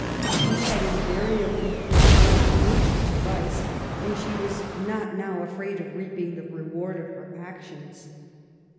She had invariably preferred virtue ta vice, and she was not now afraid of reaping the reward of her actions.